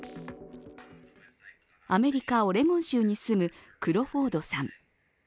アメリカ・オレゴン州に住むクロフォードさん。